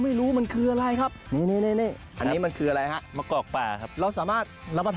ไม่รู้มันคืออะไรครับ